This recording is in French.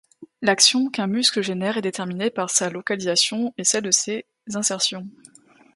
L'action qu'un muscle génère est déterminée par sa localisation et celle de ses insertions.